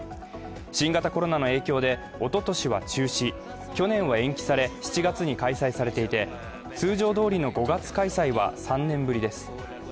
新型コロナの影響で、おととしは中止、去年は延期され７月に開催されていて通常どおりの５月開催は３年ぶりです。